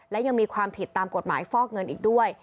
และยังมีความผิดตามกฎหมายฟอกเงินอีกด้วย